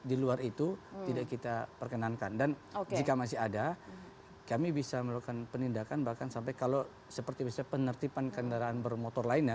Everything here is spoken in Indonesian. di luar itu tidak kita perkenankan dan jika masih ada kami bisa melakukan penindakan bahkan sampai kalau seperti misalnya penertiban kendaraan bermotor lainnya